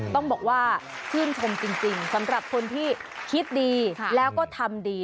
ต้องบอกว่าชื่นชมจริงสำหรับคนที่คิดดีแล้วก็ทำดี